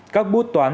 các bút toán